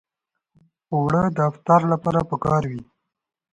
اوړه د افطار لپاره پکار وي